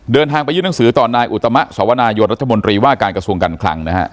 เดินทางไปยื่นหนังสือต่อนายอุตมะสวนายนรัฐมนตรีว่าการกระทรวงการคลังนะฮะ